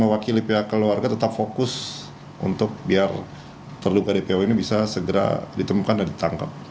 mewakili pihak keluarga tetap fokus untuk biar terduga dpo ini bisa segera ditemukan dan ditangkap